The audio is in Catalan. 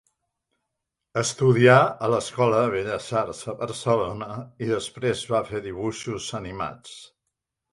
Estudià a l'Escola de Belles Arts de Barcelona i després va fer dibuixos animats.